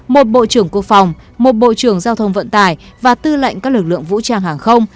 một bộ trưởng quốc phòng một bộ trưởng giao thông vận tải và tư lệnh các lực lượng vũ trang hàng không